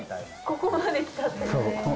ここまで来たって。